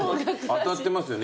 当たってますよね